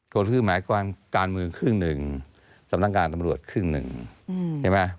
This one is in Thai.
ก็คือหมายความการเมืองครึ่งหนึ่งสำนักงานตำรวจครึ่งหนึ่งใช่ไหม